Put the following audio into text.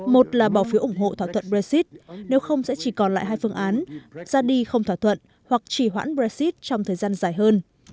một là bỏ phiếu ủng hộ thỏa thuận brexit nếu không sẽ chỉ còn lại hai phương án ra đi không thỏa thuận hoặc chỉ hoãn brexit trong thời gian dài hơn